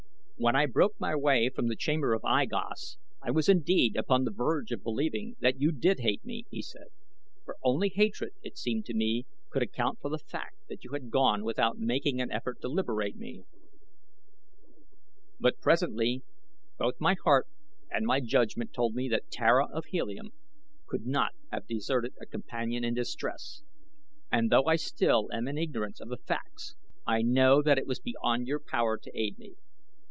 "When I broke my way out from the chamber of I Gos I was indeed upon the verge of believing that you did hate me," he said, "for only hatred, it seemed to me, could account for the fact that you had gone without making an effort to liberate me; but presently both my heart and my judgment told me that Tara of Helium could not have deserted a companion in distress, and though I still am in ignorance of the facts I know that it was beyond your power to aid me."